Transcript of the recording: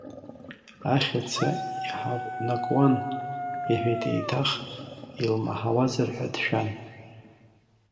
Ахьаца иҳаҟәнакуан, — иҳәеит еиҭах илмаҳауазар ҳәа дшәан.